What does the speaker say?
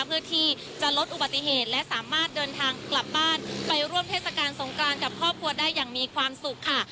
เพื่อที่จะลดอุบัติเหตุและสามารถเดินทางกลับบ้านไปร่วมเทศกาลสงกรานกับครอบครัวได้อย่างมีความสุขค่ะ